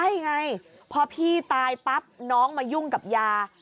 ใช่ไงพอพี่ตายปั๊บน้องมายุ่งกับยา